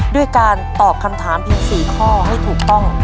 ด้วยการตอบคำถามเพียง๔ข้อให้ถูกต้อง